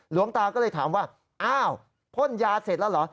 หลวงตาก็เลยถามว่าอ้าวพ่นยาเสร็จแล้วเหรอ